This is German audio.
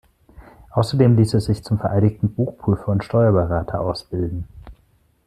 Außerdem ließ er sich zum Vereidigten Buchprüfer und Steuerberater ausbilden.